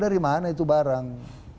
dari mana itu barang